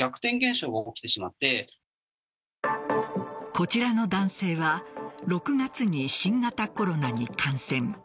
こちらの男性は６月に新型コロナに感染。